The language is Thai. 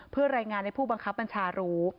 เพื่อไร่งานในผู้บังคับมัญชาหรู